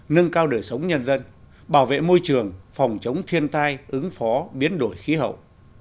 nâng cao đời sống nhân dân bảo vệ môi trường phòng chống thiên tai ứng phó biến đổi khí hậu